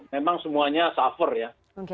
memang semuanya suffer ya